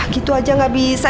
gitu aja gak bisa